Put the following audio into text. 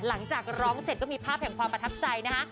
หลังจากร้องเสร็จก็มีภาพแห่งความประทับใจนะคะ